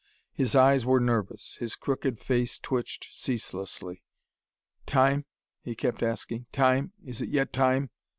His eyes were nervous; his crooked face twitched ceaselessly. "Time?" he kept asking. "Time? Is it yet time?"